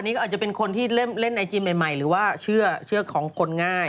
นี่ก็อาจจะเป็นคนที่เล่นไอจีใหม่หรือว่าเชื่อของคนง่าย